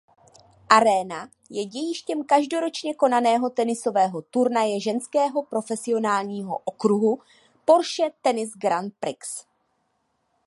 Aréna je dějištěm každoročně konaného tenisového turnaje ženského profesionálního okruhu Porsche Tennis Grand Prix.